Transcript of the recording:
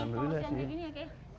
kalau siang kayak gini ya kakek